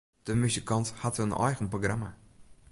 Dy muzikant hat in eigen programma.